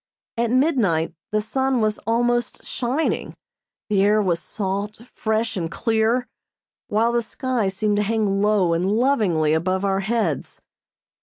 At midnight the sun was almost shining, the air was salt, fresh and clear, while the sky seemed to hang low and lovingly above our heads.